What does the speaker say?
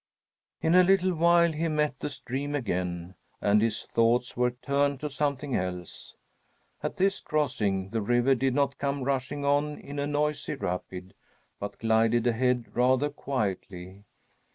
In a little while he met the stream again, and his thoughts were turned to something else. At this crossing the river did not come rushing on in a noisy rapid, but glided ahead rather quietly.